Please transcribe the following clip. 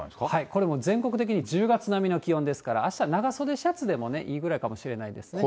これ、全国的に１０月並みの気温ですから、あした、長袖シャツでもいいぐらいかもしれないですね。